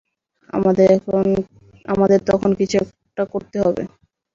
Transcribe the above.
আমাদের তখন কিছু একটা করতে হবে।